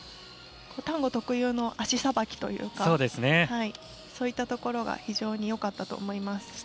タンゴ特有の足さばきというかそういったところが非常によかったと思います。